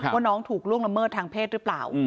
ว่าน้องถูกล่วงละเมิดทางเพศหรือเปล่า